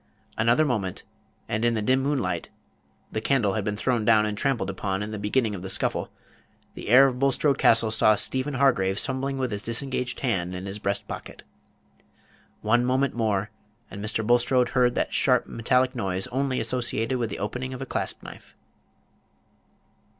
Another moment, and in the dim moonlight the candle had been thrown down and trampled upon in the beginning of the scuffle the heir of Bulstrode Castle saw Stephen Hargraves fumbling with his disengaged hand in his breast pocket. One moment more, and Mr. Bulstrode heard that sharp metallic noise only associated with the opening of a clasp knife.